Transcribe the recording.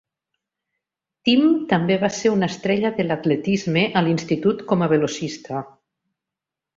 Tim també va ser una estrella de l'atletisme a l'institut com a velocista.